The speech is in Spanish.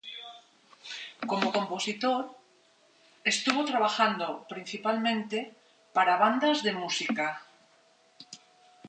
Como compositor, estuvo trabajando principalmente para bandas de música.